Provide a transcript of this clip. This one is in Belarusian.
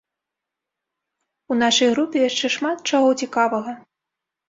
У нашай групе яшчэ шмат чаго цікавага.